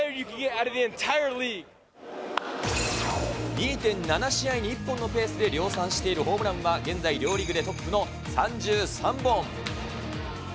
２．７試合に１本のペースで量産しているホームランは、現在両リーグでトップの３３本。